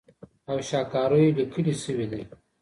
او شهکاریو لیکلې سوې ده